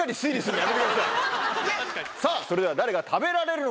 さぁそれでは誰が食べられるのか？